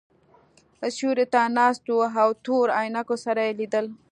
سیوري ته ناست وو او تورو عینکو سره یې لیدل.